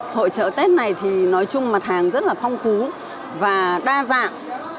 hội trợ tết này thì nói chung mặt hàng rất là phong phú và đa dạng